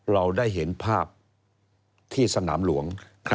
เราได้เห็นภาพที่สนามหลวง